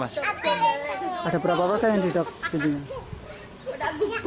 ada berapa orang yang di dok pintunya